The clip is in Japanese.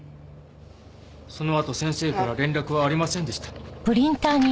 そのあと先生から連絡はありませんでした。